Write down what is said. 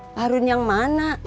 pak harun yang mana